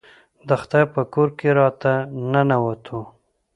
د خدای په کور کې راته ننوتو.